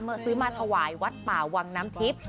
ซื้อมาถวายวัดป่าวังน้ำทิพย์